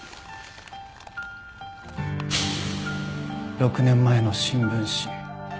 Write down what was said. ６年前の新聞紙。